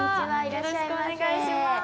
よろしくお願いします。